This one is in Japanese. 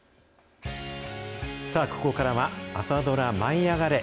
さあ、ここからは朝ドラ、舞いあがれ！